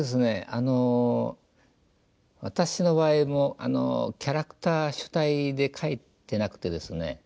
あの私の場合もキャラクター主体で描いてなくてですね